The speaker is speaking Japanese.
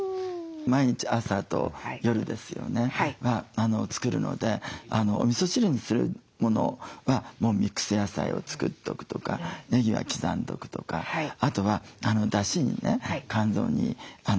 毎日朝と夜ですよねは作るのでおみそ汁にするものはもうミックス野菜を作っとくとかねぎは刻んどくとかあとはだしにね肝臓にいいアサリを冷凍しとくとか。